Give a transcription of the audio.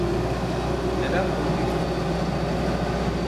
Neden korkayım ki?